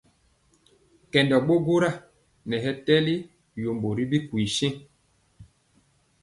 Kɛndɔ ɓo gwora nɛ hɛ tɛli yombo ri bikwi sɛŋ.